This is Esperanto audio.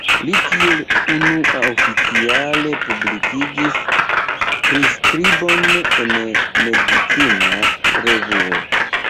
Li kiel unua oficiale publikigis priskribon en medicina revuo.